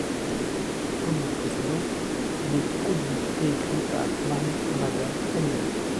Comme le précédent, il est produit et écrit par Mari Hamada elle-même.